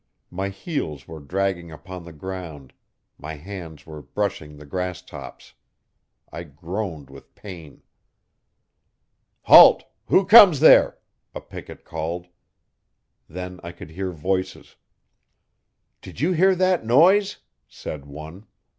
My heels were dragging upon the ground; my hands were brushing the grass tops. I groaned with pain. 'Halt! Who comes there?' a picket called. Then I could hear voices. 'Did you hear that noise?' said one.